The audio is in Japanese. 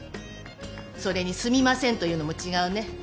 それに「すみません」と言うのも違うね。